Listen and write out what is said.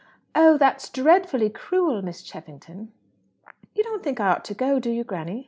"Oh, that's dreadfully cruel, Miss Cheffington!" "You don't think I ought to go, do you, granny?"